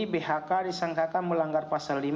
bhk disangkakan melanggar pasal lima